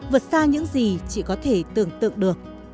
vượt xa những gì chị có thể tưởng tượng được